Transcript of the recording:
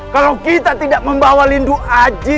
kalau kita tidak membawa lindu aji